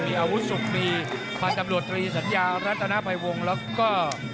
มีอาวุธสุขมีพันธ์ตำรวจตรีสัญญารัฐนาภัยวงแล้วก็